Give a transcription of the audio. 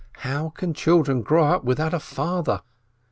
How can children grow up without a father?